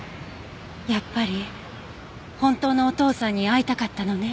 やっぱり本当のお父さんに会いたかったのね。